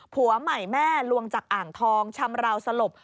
ผัวใหม่แม่ลวงจากอ่างทองชำราวสลบ